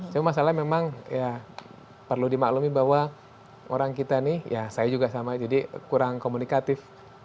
cuma masalahnya memang ya perlu dimaklumi bahwa orang kita nih ya saya juga sama jadi kurang komunikatif